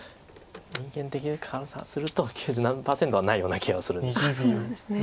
人間的に換算すると九十何パーセントはないような気がするんです。